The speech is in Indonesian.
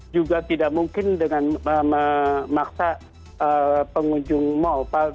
juga tidak mungkin dengan memaksa pengunjung mal